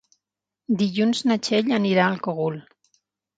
Dilluns na Txell anirà al Cogul.